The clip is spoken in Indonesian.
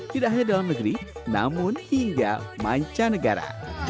tidak hanya dalam negeri namun hingga manca negara